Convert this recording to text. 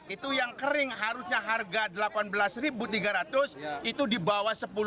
itu yang kering harusnya harga rp delapan belas tiga ratus itu di bawah sepuluh